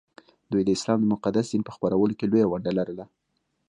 دوی د اسلام د مقدس دین په خپرولو کې لویه ونډه لرله